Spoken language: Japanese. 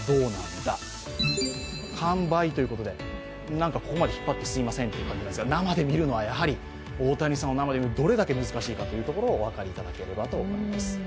なんかここまで引っ張ってすいませんという感じですが生で見るのはどれだけ難しいか、お分かりいただければと思います。